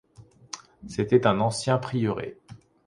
C'était un ancien prieuré.